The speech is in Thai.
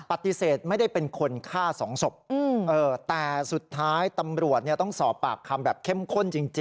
ปฏิเสธไม่ได้เป็นคนฆ่าสองศพแต่สุดท้ายตำรวจต้องสอบปากคำแบบเข้มข้นจริง